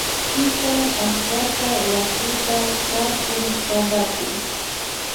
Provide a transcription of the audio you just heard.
Shitan ashtaka wakuta tarpuk pampapi.